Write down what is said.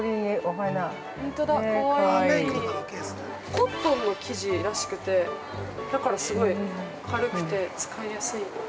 ◆コットンの生地らしくてだから、すごい軽くて使いやすい。